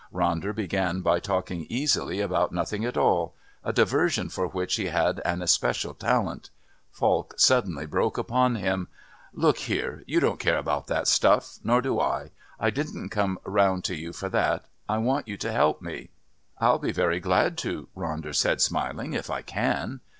Ronder began by talking easily about nothing at all, a diversion for which he had an especial talent. Falk suddenly broke upon him: "Look here. You don't care about that stuff nor do I. I didn't come round to you for that. I want you to help me." "I'll be very glad to," Ronder said, smiling. "If I can."